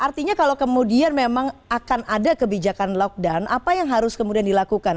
artinya kalau kemudian memang akan ada kebijakan lockdown apa yang harus kemudian dilakukan